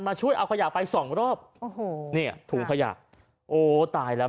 ช่วยเอาขยะไปสองรอบโอ้โหเนี่ยถุงขยะโอ้ตายแล้ว